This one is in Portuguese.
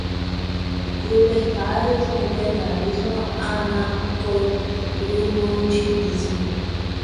Libertários, libertarianismo, anarcoprimitivismo